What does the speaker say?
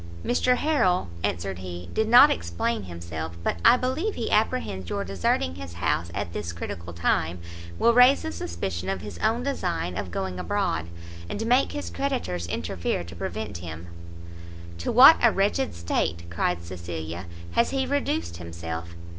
"Mr Harrel," answered he, "did not explain himself; but I believe he apprehends your deserting his house at this critical time, will raise a suspicion of his own design of going abroad, and make his creditors interfere to prevent him." "To what a wretched state," cried Cecilia, "has he reduced himself!